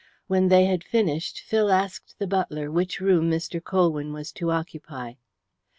When they had finished Phil asked the butler which room Mr. Colwyn was to occupy.